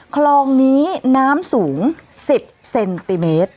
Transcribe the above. คลองนี้น้ำสูง๑๐เซนติเมตร